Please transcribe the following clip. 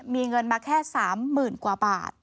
มีเงินมาแค่๓๐๐๐กว่าบาท